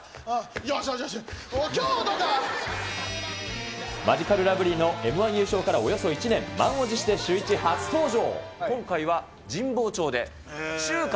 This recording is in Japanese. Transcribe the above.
よしよしよし、マヂカルラブリーのＭー１優勝からおよそ１年、満を持してシューイチ初登場。